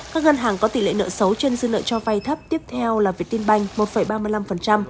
các ngân hàng có tỷ lệ nợ xấu trên dư nợ cho vay thấp tiếp theo là việt tinh banh một ba mươi năm